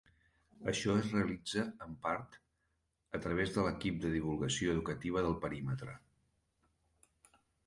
Això es realitza, en part, a través de l'equip de divulgació educativa del perímetre.